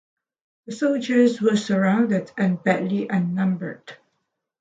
The soldiers were surrounded and badly outnumbered.